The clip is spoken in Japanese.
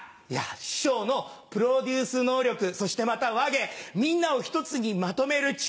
師匠のプロデュース能力そしてまた話芸みんなを一つにまとめる力